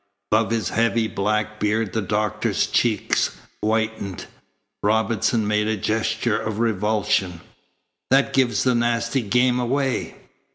Above his heavy black beard the doctor's cheeks whitened. Robinson made a gesture of revulsion. "That gives the nasty game away."